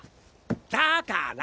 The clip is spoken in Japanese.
だから！